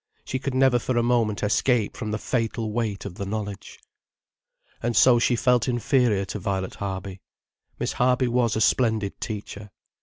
She could never for a moment escape from the fatal weight of the knowledge. And so she felt inferior to Violet Harby. Miss Harby was a splendid teacher.